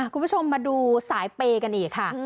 คุณผู้ชมมาดูสายเปย์กันอีกค่ะ